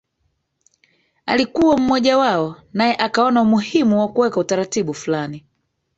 alikuwa mmojawao naye akaona umuhimu wa kuweka utaratibu fulani